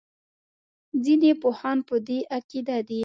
ځینې پوهان په دې عقیده دي.